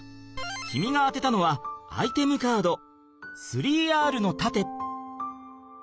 君が当てたのはアイテムカード３Ｒの盾！